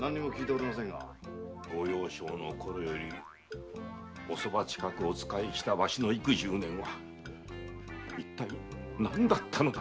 ご幼少のころよりお側近くお仕えしたわしの幾十年はいったい何だったのだ。